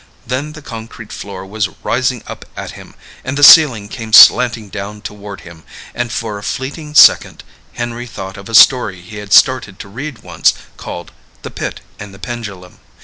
Then the concrete floor was rising up at him and the ceiling came slanting down toward him, and for a fleeting second Henry thought of a story he had started to read once called "The Pit and The Pendulum".